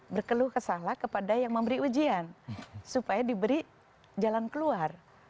berkeluh ke salah kepada yang memberi ujian supaya diberi jalan keluar